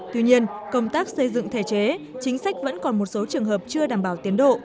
tuy nhiên công tác xây dựng thể chế chính sách vẫn còn một số trường hợp chưa đảm bảo tiến độ